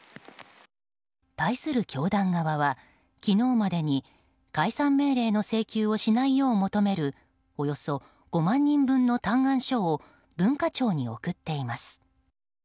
対する教団側は昨日までに解散命令の請求をしないよう求めるおよそ５万人分の嘆願書を文化庁に送っています。